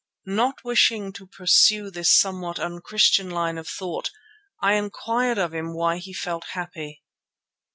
Not wishing to pursue this somewhat unchristian line of thought, I inquired of him why he felt happy.